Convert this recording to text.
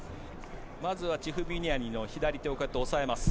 まずはチフビミアニの左手を抑えます。